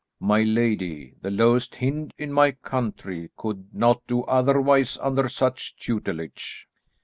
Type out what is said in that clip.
"My lady, the lowest hind in my country could not do otherwise under such tutelage."